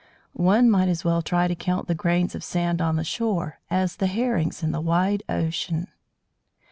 One might as well try to count the grains of sand on the shore as the Herrings in the wide ocean.